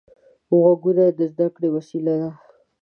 غوږونه د زده کړې وسیله ده